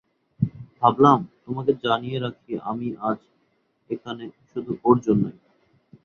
ভাবলাম, তোমাকে জানিয়ে রাখি আমি আজ এখানে শুধু ওর জন্যই।